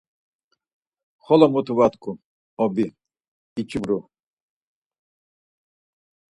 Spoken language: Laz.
Xolo mutu va t̆ǩu Obi, iç̌ibru.